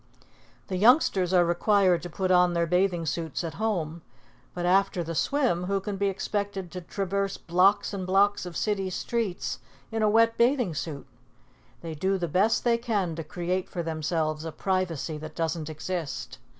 The youngsters are required to put on their bathing suits at home; but after the swim who can be expected to traverse blocks and blocks of city streets in a wet bathing suit? They do the best they can to create for themselves a privacy that doesn't exist.